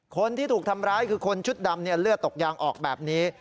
คนที่ถูกทำร้ายคือคนชุดดำเลือดตกยางออกแบบนี้